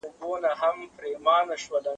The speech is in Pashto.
د زمان په لاس کي اوړمه زمولېږم